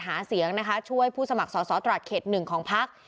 หาเสียงนะคะช่วยผู้สมัครสอสอตราเขตหนึ่งของพัก